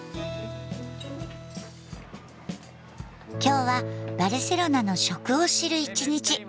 今日はバルセロナの食を知る一日。